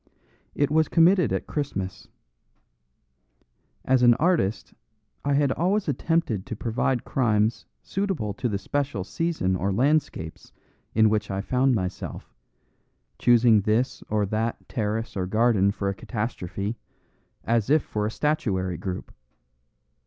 It was committed at Christmas. As an artist I had always attempted to provide crimes suitable to the special season or landscapes in which I found myself, choosing this or that terrace or garden for a catastrophe, as if for a statuary group.